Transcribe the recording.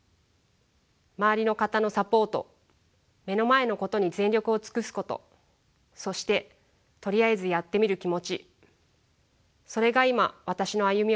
周りの方のサポート目の前のことに全力を尽くすことそしてとりあえずやってみる気持ちそれが今私の歩みを前へと押し進めているのかもしれません。